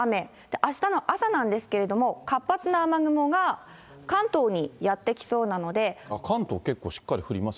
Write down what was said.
あしたの朝なんですけれども、活発な雨雲が関東にやって来そうな関東、結構しっかり降ります